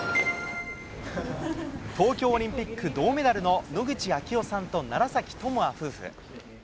東京オリンピック銅メダルの野口啓代さんと楢崎智亜夫婦。